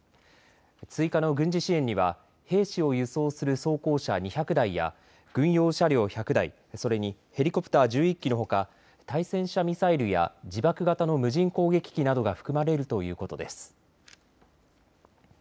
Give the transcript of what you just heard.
追加の軍事支援には兵士を輸送する装甲車２００台や軍用車両１００台、それにヘリコプター１１機のほか対戦車ミサイルや自爆型の無人攻撃機などが含まれるということです。